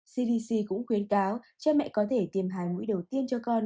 cdc cũng khuyến cáo trẻ mẹ có thể tiêm hai mũi đầu tiên cho con